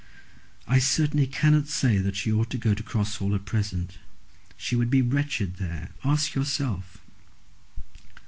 "I certainly cannot say that she ought to go to Cross Hall at present. She would be wretched there. Ask yourself."